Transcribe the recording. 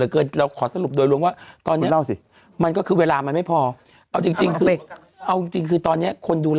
แล้วคุณพี่พันต้อนร่วมเป็นรัฐมนตรีว่าการกระทรวงเวทมนตร์